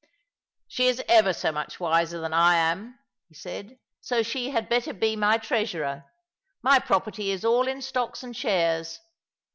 She is ever so much wiser than I am," ho said. " So she had better be my treasurer. My property is all in stocks and shares.